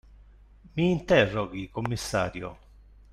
Mi interroghi, commissario!